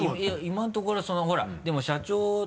今のところそのほらでも社長。